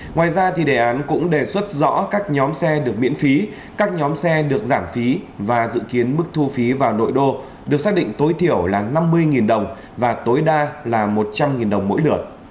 ngoài ra đề án cũng đề xuất rõ các nhóm xe được miễn phí các nhóm xe được giảm phí và dự kiến mức thu phí vào nội đô được xác định tối thiểu là năm mươi đồng và tối đa là một trăm linh đồng mỗi lượt